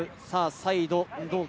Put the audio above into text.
サイドどうか？